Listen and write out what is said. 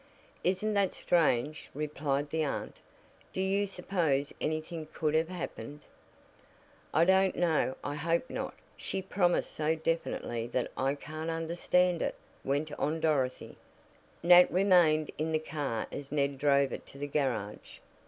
"Isn't that strange!" replied the aunt. "Do you suppose anything could have happened?" "I don't know. I hope not. She promised so definitely that I can't understand it," went on Dorothy. Nat remained in the car as Ned drove it to the garage.